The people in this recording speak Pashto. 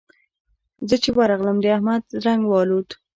زه چې ورغلم؛ د احمد رنګ والوت.